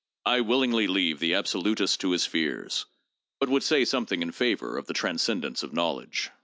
I willingly leave the absolutist to his fears, but would say some thing in favor of the transcendence of knowledge.